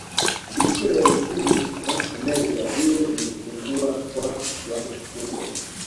Mapitio ya uchumi wa Amerika vile umepungua kwa kiwango kikubwa